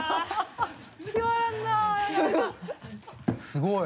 すごい。